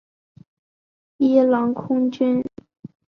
伊朗空军。